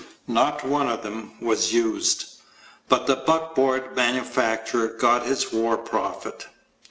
Not one of them was used. But the buckboard manufacturer got his war profit.